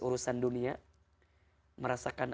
urusan dunia merasakan